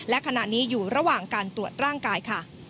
และขณะนี้อยู่ระหว่างการตรวจร่างกายค่ะ